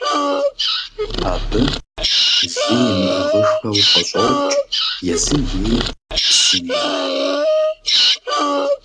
Абы лы имыӀыгъыххэу къыщӀокӀ, езым ейр псым ехь.